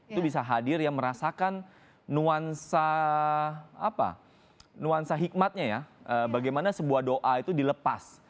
itu bisa hadir ya merasakan nuansa nuansa hikmatnya ya bagaimana sebuah doa itu dilepas